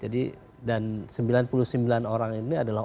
dan sembilan puluh sembilan orang ini adalah